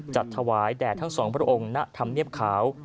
จัดถวายแด่ทั้งสองพระองค์ณธรรมเนียบขาว